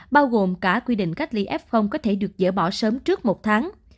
bao gồm cả quy định cách ly f có thể được dỡ bỏ sớm trước một tháng